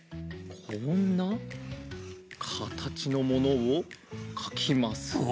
こんなかたちのものをかきます。